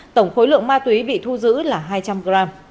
tổng khối lượng ma túy bị thu giữ là hai trăm linh gram